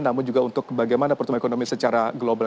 namun juga untuk bagaimana pertumbuhan ekonomi secara global